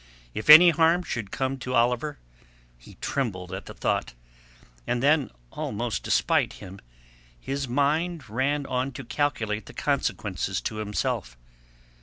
If any harm should come to Oliver...He trembled at the thought; and then almost despite him his mind ran on to calculate the consequences to himself.